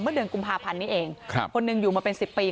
เมื่อเดือนกุมภาพันธ์นี้เองครับคนนึงอยู่มาเป็นสิบปี